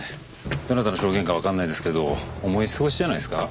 どなたの証言かわかんないですけど思い過ごしじゃないですか？